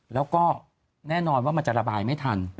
แล้วก็แน่นอนว่ามันจะระบายไม่ทัน